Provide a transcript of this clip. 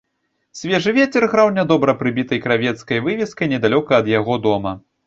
Свежы вецер граў нядобра прыбітай кравецкай вывескай недалёка ад яго дома.